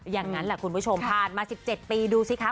อย่างนั้นแหละคุณผู้ชมผ่านมา๑๗ปีดูสิคะ